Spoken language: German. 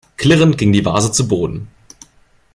Klirrend ging die Vase zu Boden.